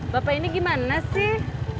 bapak ini gimana sih